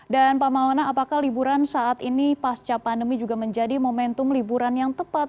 dan pak maona apakah liburan saat ini pasca pandemi juga menjadi momentum liburan yang tepat